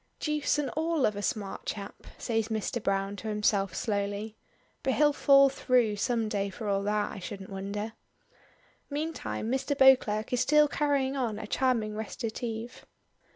"Deuce and all of a smart chap," says Mr. Browne to himself slowly. "But he'll fall through some day for all that, I shouldn't wonder." Meantime Mr. Beauclerk is still carrying on a charming recitative.